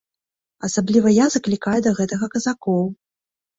Асабліва я заклікаю да гэтага казакоў!